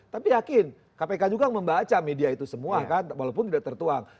tapi yakin kpk juga membaca media itu semua kan walaupun tidak tertuang